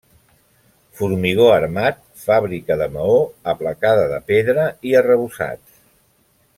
Formigó armat, fàbrica de maó, aplacada de pedra i arrebossats.